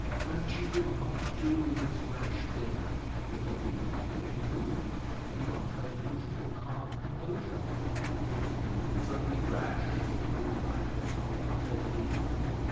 "And you will not do this rash thing?" The lady was really moved beyond her usual calm composure. "It can never be rash to do right," said he.